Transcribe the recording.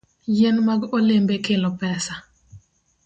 Yien mag olembe kelo pesa.